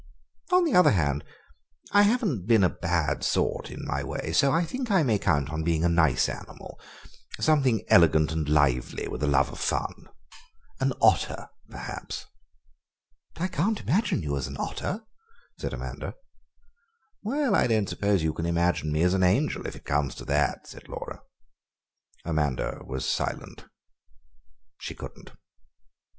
On the other hand, I haven't been a bad sort in my way, so I think I may count on being a nice animal, something elegant and lively, with a love of fun. An otter, perhaps." "I can't imagine you as an otter," said Amanda. "Well, I don't suppose you can imagine me as an angel, if it comes to that," said Laura. Amanda was silent. She couldn't.